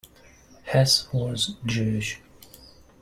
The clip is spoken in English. Hess was Jewish.